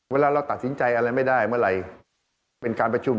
เวลาเราตัดสินใจอะไรไม่ได้เมื่อไหร่เป็นการประชุม